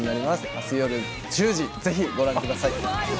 明日よる１０時ぜひご覧ください。